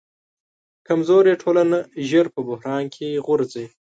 کمزورې ټولنه ژر په بحران کې غورځي.